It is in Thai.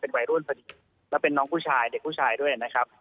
เป็นวัยร่วมปฏิเหตุและเป็นน้องผู้ชายเด็กผู้ชายด้วยนะครับ